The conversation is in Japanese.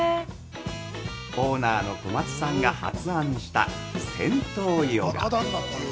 ◆オーナーの小松さんが発案した銭湯ヨガ。